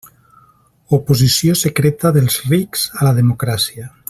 Oposició secreta dels rics a la democràcia.